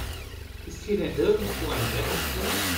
Ist hier denn nirgendwo ein Rettungsring?